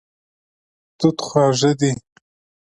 توت خواږه دی.